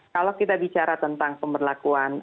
kalau kita bicara tentang pemberlakuan